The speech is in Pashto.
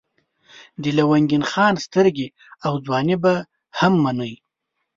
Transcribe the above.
د لونګین خان سترګې او ځواني به هم منئ.